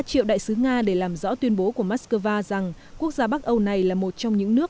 triệu đại sứ nga để làm rõ tuyên bố của moscow rằng quốc gia bắc âu này là một trong những nước